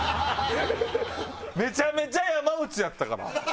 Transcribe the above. めちゃめちゃ山内やったから！